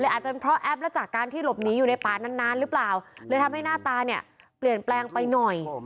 อาจจะเป็นเพราะแอปแล้วจากการที่หลบหนีอยู่ในป่านานหรือเปล่าเลยทำให้หน้าตาเนี่ยเปลี่ยนแปลงไปหน่อย